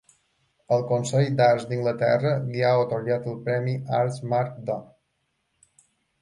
El Consell d'Arts d'Anglaterra li ha atorgat el Premi Artsmark d'Or.